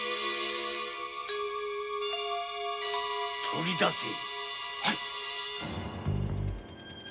取り出せ！